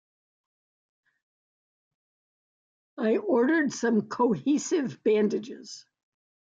I ordered some cohesive bandages